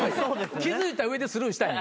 気付いた上でスルーしたんや。